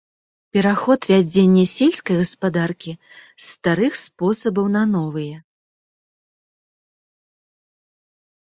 Пераход вядзення сельскай гаспадаркі з старых спосабаў на новыя.